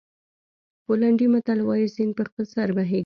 پولنډي متل وایي سیند په خپل سر بهېږي.